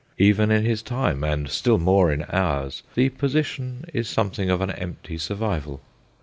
Even in his time, and still more in ours, the position is something of an empty survival.